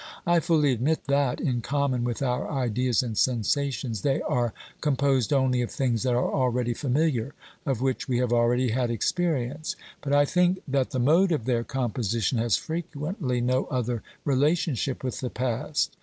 I fully admit that, in common with our ideas and sensations, they are com posed only of things that are already familiar, of which we have already had experience, but I think that the mode of their composition has frequently no other relation ship with the past.